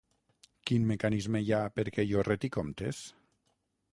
Quin mecanisme hi ha perquè jo reti comptes?